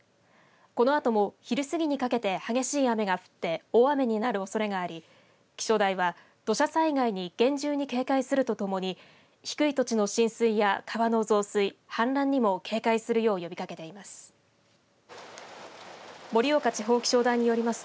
このあとも昼過ぎにかけて激しい雨が降って大雨になるおそれがあり気象台は土砂災害に厳重に警戒するとともに低い土地の浸水や川の増水、氾濫にも警戒するよう呼びかけています。